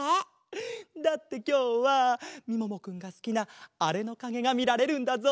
だってきょうはみももくんがすきなあれのかげがみられるんだぞ。